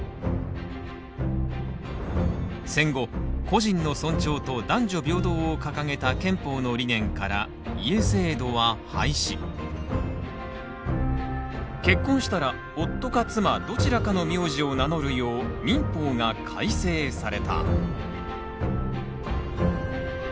戦後個人の尊重と男女平等を掲げた憲法の理念から結婚したら夫か妻どちらかの名字を名乗るよう民法が改正された。